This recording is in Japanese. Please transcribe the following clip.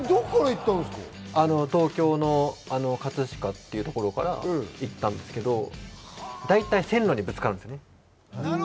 東京の葛飾というところから行ったんですけど、だいたい線路にぶつかるんです。